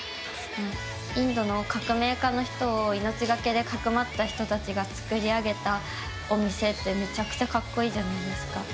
インドの革命家の人を命がけで、かくまった人たちが作り上げたお店ってめちゃくちゃ格好いいじゃないですか。